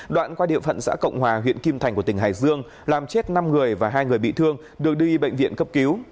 đoạn qua địa phận xã cộng hòa huyện kim thành của tỉnh hải dương làm chết năm người và hai người bị thương được đi bệnh viện cấp cứu